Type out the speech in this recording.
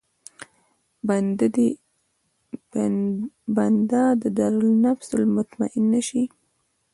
بنده دې النفس المطمئنه شي.